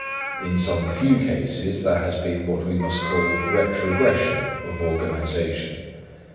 In some few cases there has been what we must call retrogression or organisation.